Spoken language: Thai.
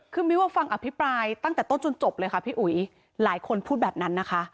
คือมิ้วฟังอภิปรายตั้งแต่ต้นจนจบเลยค่ะพี่อุ๋ยหลายคนพูดแบบนั้นนะคะ